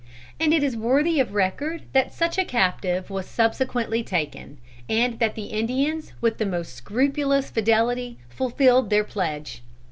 And it is worthy of record that such a captive was subsequently taken, and that the Indians with the most scrupulous fidelity fulfilled their pledge.